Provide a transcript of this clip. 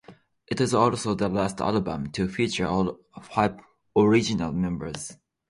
It is also the last album to feature all five original members.